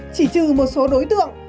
chỉ trừ một số đối tượng